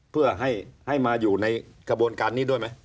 เพื่อให้มาอยู่ในกระบวนการนี้ด้วยไหม